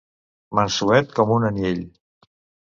Mansuet com un anyell.